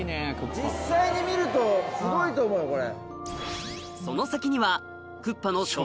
実際に見るとすごいと思うよこれ。